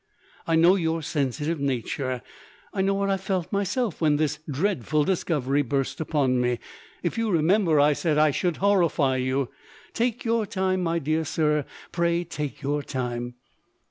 "I know your sensitive nature; I know what I felt myself when this dreadful discovery burst upon me. If you remember, I said I should horrify you. Take your time, my dear sir pray take your time."